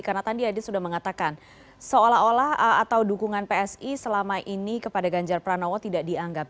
karena tadi adi sudah mengatakan seolah olah atau dukungan psi selama ini kepada ganjar pranowo tidak dianggap